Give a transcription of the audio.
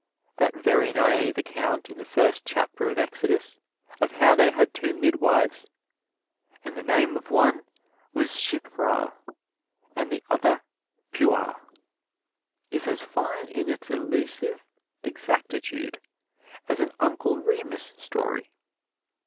That very naive account in the first chapter of Exodus of how they had two midwives, "and the name of one was Shiphrah and the other Puah," is as fine in its elusive exactitude as an Uncle Remus story.